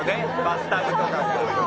バスタブとかが。